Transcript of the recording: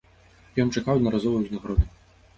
Ён чакаў аднаразовай узнагароды.